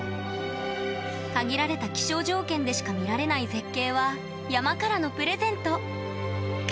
限られた気象条件でしか見られない絶景は山からのプレゼント。